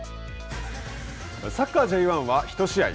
サッカーＪ１は１試合。